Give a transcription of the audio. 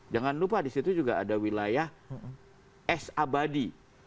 jangan lupa di situ juga ada wilayah es abadi